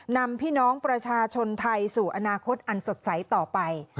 นำพี่น้องประชาชนไทยสู่อนาคตอันสดใสต่อไป